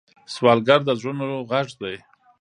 سوالګر د زړونو غږ دی